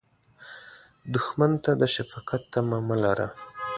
دښمن ته د شفقت تمه مه لره